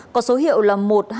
có số hiệu là một